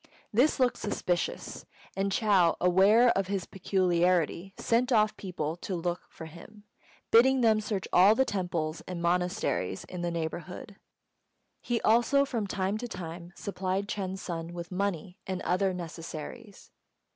This looked suspicious, and Chou, aware of his peculiarity, sent off people to look for him, bidding them search all the temples and monasteries in the neighbourhood. He also from time to time supplied Ch'êng's son with money and other necessaries.